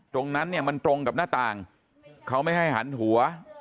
ตรงนั้นเนี่ยมันตรงกับหน้าต่างเขาไม่ให้หันหัว